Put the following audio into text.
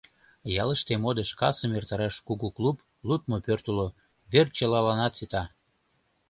Ялыште модыш касым эртараш кугу клуб, лудмо пӧрт уло — вер чылаланат сита!